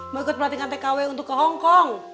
mau ikut pelatihan tkw untuk ke hongkong